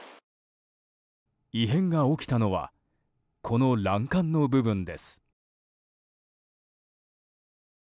異変が起きたのはこの欄干の部分です。